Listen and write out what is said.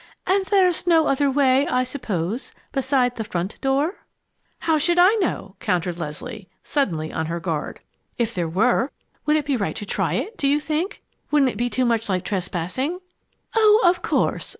"And there's no other way, I suppose, beside the front door?" "How should I know?" countered Leslie, suddenly on her guard. "If there were would it be right to try it, do you think? Wouldn't it be too much like trespassing?" "Oh, of course!"